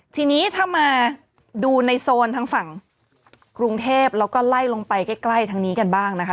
ทีนี้ถ้ามาดูในโซนทางฝั่งกรุงเทพแล้วก็ไล่ลงไปใกล้ทางนี้กันบ้างนะคะ